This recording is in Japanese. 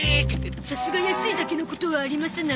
さすが安いだけのことはありますな。